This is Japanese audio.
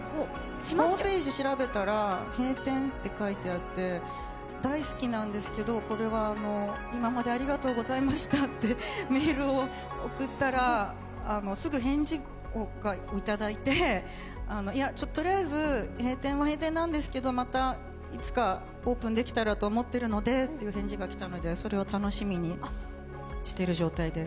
ホームページ調べたら閉店って書いてあって、大好きなんですけど、今までありがとうございましたってメールを送ったらすぐ返事をいただいていや、とりあえず閉店は閉店なんですけどまたいつかオープンできたらと思ってるのでという返事が来たのでそれを楽しみにしてる状態です。